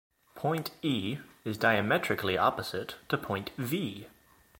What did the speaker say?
Point "E" is diametrically opposite to point "V".